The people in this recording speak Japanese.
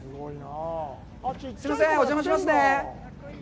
すいません、お邪魔しますね。